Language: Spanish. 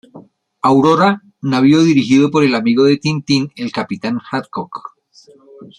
Aurora", navío dirigido por el amigo de Tintin, el capitán Haddock.